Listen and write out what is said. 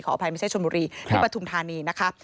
อภัยไม่ใช่ชนบุรีที่ปฐุมธานีนะคะ